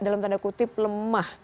dalam tanda kutip lemah